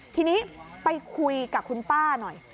ทีนี้ไปคุยกับคุณป้าหน่อย